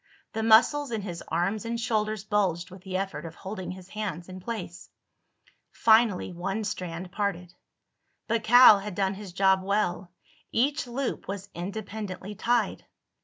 The muscles in his arms and shoulders bulged with the effort of holding his hands in place. Finally one strand parted. But Cal had done his job well. Each loop was independently tied.